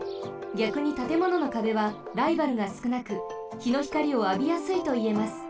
ぎゃくにたてもののかべはライバルがすくなくひのひかりをあびやすいといえます。